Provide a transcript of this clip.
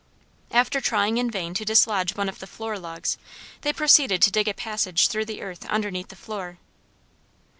After trying in vain to dislodge one of the floor logs, they proceeded to dig a passage through the earth underneath the floor.